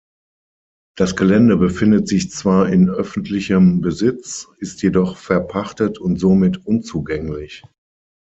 Das Gelände befindet sich zwar in öffentlichem Besitz, ist jedoch verpachtet und somit unzugänglich.